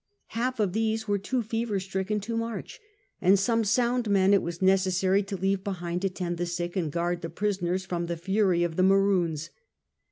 Half of these were too fever stricken to march, and some sound men it was necessary to leave, behind to tend the sick and guard the prisoners from the fury of the Maroons.